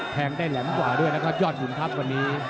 แทงได้แหลมกว่าด้วยนะครับยอดขุนทัพวันนี้